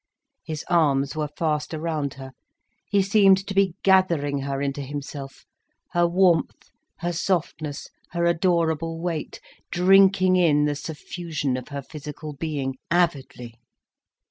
His arms were fast around her, he seemed to be gathering her into himself, her warmth, her softness, her adorable weight, drinking in the suffusion of her physical being, avidly.